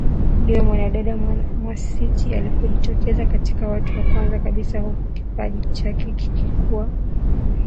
ndio mwanadada Mwasiti alipojitokeza katika watu wa kwanza kabisa huku kipaji chake kilikuwa